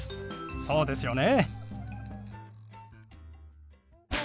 そうですよね。